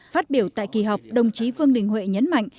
phát biểu tại kỳ họp đồng chí vương đình huệ nhấn mạnh